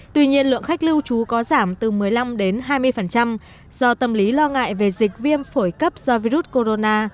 tuy nhiên lượng khách lưu trú có giảm từ một mươi năm đến hai mươi do tâm lý lo ngại về dịch viêm phổi cấp do virus corona